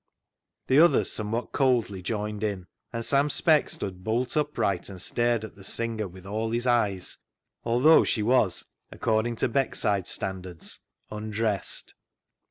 The others somewhat coldly joined in, and Sam Speck stood bolt upright and stared at the singer with all his eyes, although she 344 CLOG SHOP CHRONICLES was, according to Beckside standards, un dressed.